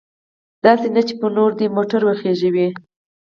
داسې نه چې پر نورو دې موټر وخیژوي.